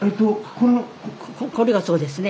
これがそうですね。